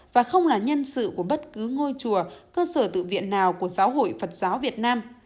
và không là nhân sự của bất cứ ngôi chùa cơ sở tự viện nào của giáo hội phật giáo việt nam